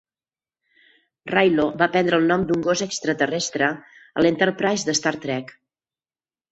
Railo va prendre el nom d'un gos extraterrestre al Enterprise de Star Trek.